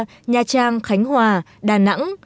hạ long sapa nha trang khánh hòa đà nẵng